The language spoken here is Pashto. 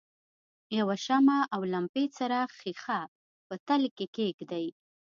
یوه شمع او لمپې څراغ ښيښه په تلې کې کیږدئ.